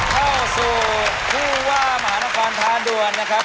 เข้าสู่ผู้ว่ามหานครท้าด่วนนะครับ